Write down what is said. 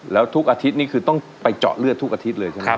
แล้วทุกอาทิตย์นี่คือต้องไปเจาะเลือดทุกอาทิตย์เลยใช่ไหมครับ